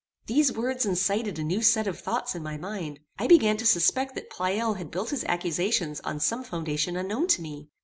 These words incited a new set of thoughts in my mind. I began to suspect that Pleyel had built his accusations on some foundation unknown to me.